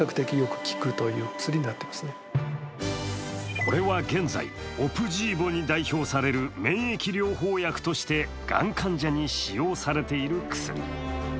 これは現在、オプジーボに代表される免疫療法薬としてがん患者に使用されている薬。